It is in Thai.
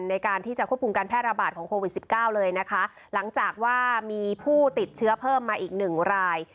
ในการที่จะควบคุมการแพร่ระบาดของโควิดสิบเก้าเลยนะคะหลังจากว่ามีผู้ติดเชื้อเพิ่มมาอีกหนึ่งราย